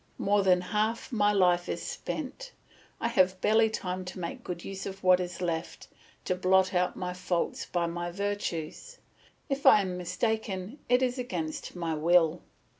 More than half my life is spent; I have barely time to make good use of what is left, to blot out my faults by my virtues. If I am mistaken, it is against my will.